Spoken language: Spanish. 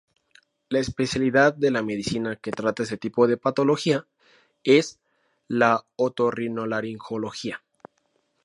La especialidad de la medicina que trata este tipo de patología es la Otorrinolaringología.